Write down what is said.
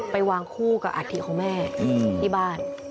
ไปวางคู่กับอัฐิของแม่ที่บ้าน